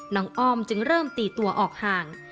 อ้อมจึงเริ่มตีตัวออกห่าง